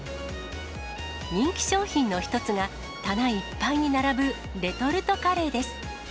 人気商品の一つが、棚いっぱいに並ぶレトルトカレーです。